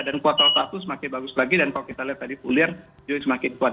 dan kuartal satu semakin bagus lagi dan kalau kita lihat tadi kulir juga semakin kuat